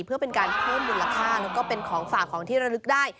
เพื่อเป็นการเพิ่มมูลค่าแล้วก็เป็นของฝากของที่ระลึกได้